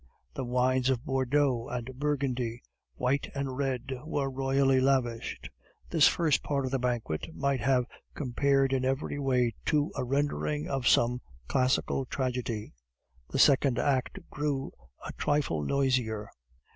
The wines of Bordeaux and Burgundy, white and red, were royally lavished. This first part of the banquet might been compared in every way to a rendering of some classical tragedy. The second act grew a trifle noisier.